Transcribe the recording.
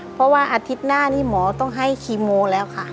เพราะว่าอาทิตย์หน้านี้หมอต้องให้คีโมแล้วค่ะ